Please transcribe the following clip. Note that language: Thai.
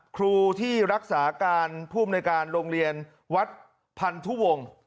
ครูที่รักษาการผู้อำนวยการโรงเรียนวัดพันธุวงศ์